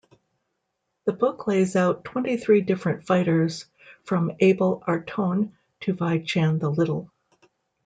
The book lays out twenty-three different fighters from Abel Artone to Vychan the Little.